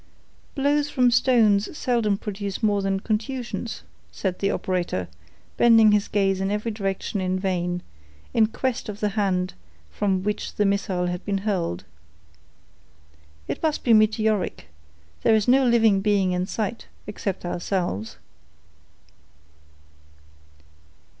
"Blows from stones seldom produce more than contusions," said the operator, bending his gaze in every direction in vain, in quest of the hand from which the missile had been hurled. "It must be meteoric; there is no living being in sight, except ourselves."